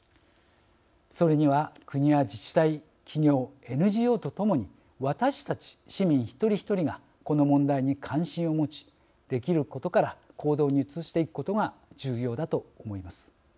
それには国や自治体企業ＮＧＯとともに私たち市民一人一人がこの問題に関心を持ちできることから行動に移していくことが重要だと思います。